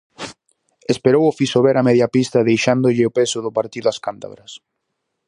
Esperou o Fisober a media pista deixándolle o peso do partido as cántabras.